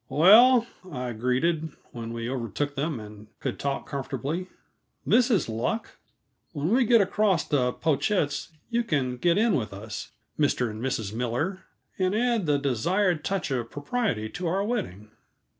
"Well," I greeted, when we overtook them and could talk comfortably; "this is luck. When we get across to Pochette's you can get in with us, Mr. and Mrs. Miller, and add the desired touch of propriety to our wedding."